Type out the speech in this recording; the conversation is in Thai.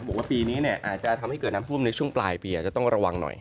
บอกว่าปีนี้อาจจะทำให้เกิดน้ำท่วมในช่วงปลายปีอาจจะต้องระวังหน่อย